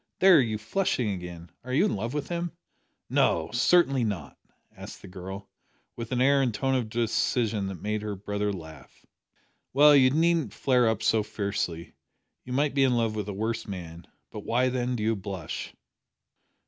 There, you're flushing again! Are you in love with him?" "No, certainly not," answered the girl, with an air and tone of decision that made her brother laugh. "Well, you needn't flare up so fiercely. You might be in love with a worse man. But why, then, do you blush?"